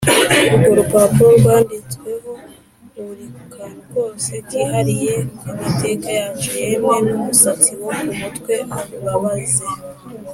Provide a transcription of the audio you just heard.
urwo rupapuro rwanditsweho buri kantu kose kihariye k’amateka yacu; yemwe n’umusatsi wo ku mutwe urabaze